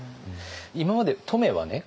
今まで乙女はね